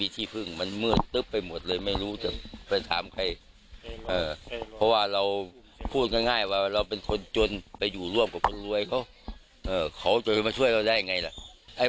แต่ว่าเราเป็นคนจนไปอยู่ร่วมกับคนรวยเขาจะมาช่วยเราได้อย่างไร